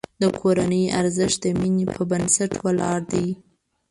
د کورنۍ ارزښت د مینې په بنسټ ولاړ دی.